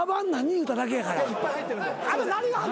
言うただけやから。